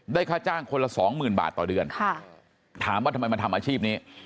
ค่าจ้างคนละสองหมื่นบาทต่อเดือนถามว่าทำไมมาทำอาชีพนี้